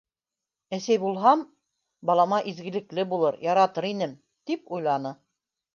Әсәй булһам, балама изгелекле булыр, яратыр инем, тип уйланы.